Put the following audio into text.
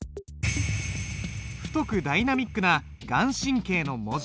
太くダイナミックな顔真の文字。